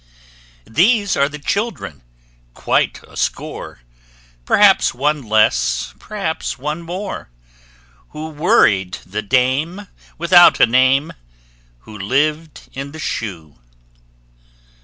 These are the children, quite a score Perhaps one less, perhaps one more Who worried the dame without a name, WHO LIVED IN THE SHOE.